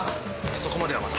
そこまではまだ。